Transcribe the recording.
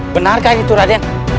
benarkah itu raden